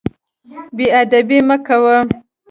بې ادبي مه کوه.